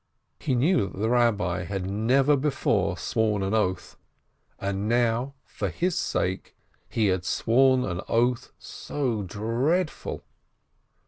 He knew that the Eabbi had never before sworn an oath, and now, for his sake, he had sworn an oath so dreadful